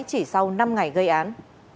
chỉ sau năm ngày gây án